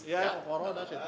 saya bawa itu gak apa sama ya